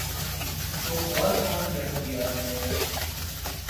تو اور کون رہ گیا ہے؟